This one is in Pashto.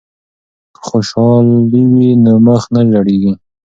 که خوشحالی وي نو مخ نه ژیړیږي.